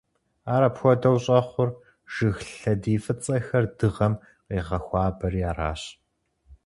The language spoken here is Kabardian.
Ар апхуэдэу щӀэхъур, жыг лъэдий фӀыцӀэхэр дыгъэм къегъэхуабэри аращ.